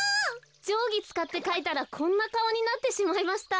じょうぎつかってかいたらこんなかおになってしまいました。